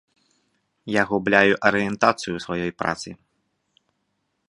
Я губляю арыентацыю ў сваёй працы.